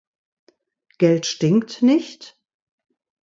Geld stinkt nicht?